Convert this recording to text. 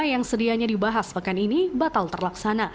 yang sedianya dibahas pekan ini batal terlaksana